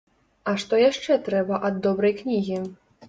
А што яшчэ трэба ад добрай кнігі?